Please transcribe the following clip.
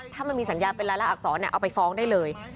ถ้ามันมีสัญญาเป็นรายละอักษรเอาไปฟ้องได้เลย